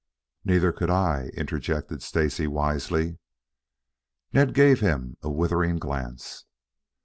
"Neither could I," interjected Stacy wisely. Ned gave him a withering glance.